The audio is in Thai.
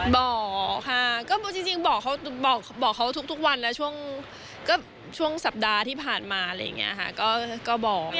บอกค่ะจริงบอกเค้าบอกเค้าทุกวันนะช่วงก็ช่วงสัปดาห์ที่ผ่านมาบอก